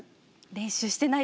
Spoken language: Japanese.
練習してないです。